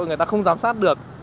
người ta không giám sát được